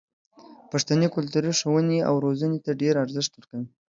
پښتني کلتور ښوونې او روزنې ته ډېر ارزښت ورکوي.